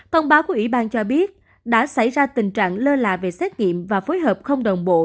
thông báo của ủy ban cho biết đã xảy ra tình trạng lơ là về xét nghiệm và phối hợp không đồng bộ